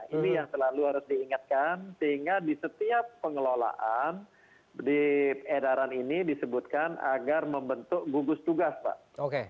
ini yang selalu harus diingatkan sehingga di setiap pengelolaan di edaran ini disebutkan agar membentuk gugus tugas pak